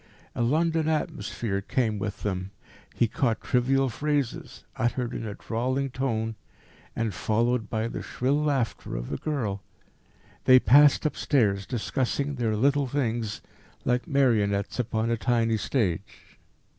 A London atmosphere came with them. He caught trivial phrases, uttered in a drawling tone, and followed by the shrill laughter of a girl. They passed upstairs, discussing their little things, like marionettes upon a tiny stage.